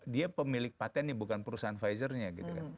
dia pemilik patentnya bukan perusahaan pfizer nya